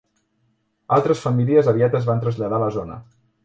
Altres famílies aviat es van traslladar a la zona.